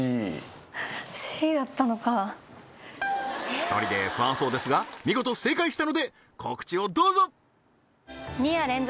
１人で不安そうですが見事正解したので告知をどうぞ２夜連続